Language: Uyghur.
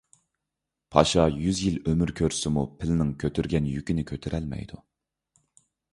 پاشا يۈز يىل ئۆمۈر كۆرسىمۇ، پىلنىڭ كۆتۈرگەن يۈكىنى كۆتۈرەلمەيدۇ.